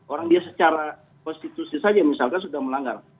orang dia secara konstitusi saja misalkan sudah melanggar